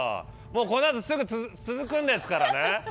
このあと続くんですからね。